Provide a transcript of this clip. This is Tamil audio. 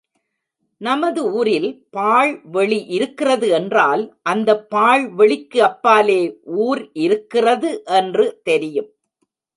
நமது ஊரில் பாழ் வெளி இருக்கிறது என்றால் அந்தப் பாழ் வெளிக்கு அப்பாலே ஊர் இருக்கிறது என்று தெரியும்.